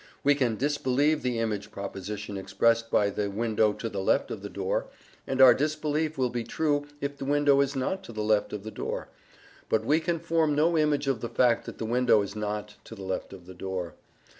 We can DISBELIEVE the image proposition expressed by "the window to the left of the door," and our disbelief will be true if the window is not to the left of the door. But we can form no image of the fact that the window is not to the left of the door.